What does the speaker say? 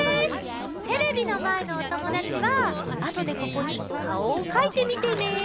テレビのまえのおともだちはあとでここにかおをかいてみてね。